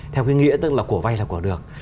theo cái nghĩa tức là của vay là của được